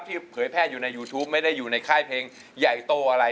เผยแพร่อยู่ในยูทูปไม่ได้อยู่ในค่ายเพลงใหญ่โตอะไร